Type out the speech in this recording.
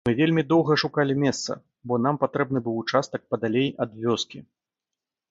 Мы вельмі доўга шукалі месца, бо нам патрэбны быў участак падалей ад вёскі.